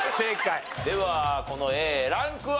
ではこのＡランクは？